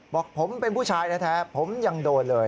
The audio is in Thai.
บอกผมเป็นผู้ชายแท้ผมยังโดนเลย